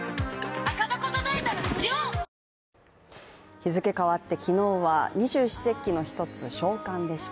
日付変わって昨日は二十四節気の一つ小寒でした。